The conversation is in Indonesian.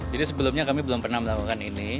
jadi sebelumnya kami belum pernah melakukan ini